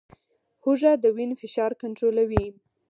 هوږه د وینې فشار کنټرولوي